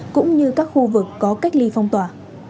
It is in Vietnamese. cũng như các khu vực có cách ly phong tỏa